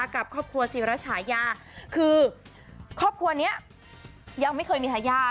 ครอบครัวสีวรัฐฉายาคือครอบครัวเนี่ยยังไม่เคยมีหายาด